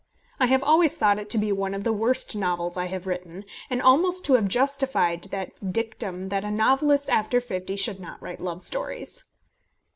I have always thought it to be one of the worst novels I have written, and almost to have justified that dictum that a novelist after fifty should not write love stories.